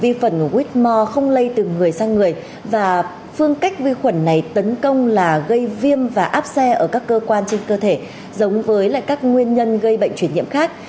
vi phần whitmore không lây từ người sang người và phương cách vi khuẩn này tấn công là gây viêm và áp xe ở các cơ quan trên cơ thể giống với các nguyên nhân gây bệnh chuyển nhiễm khác